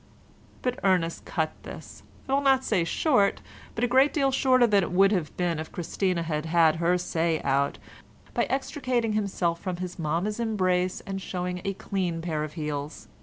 But Ernest cut this—I will not say short—but a great deal shorter than it would have been if Christina had had her say out, by extricating himself from his mamma's embrace and showing a clean pair of heels.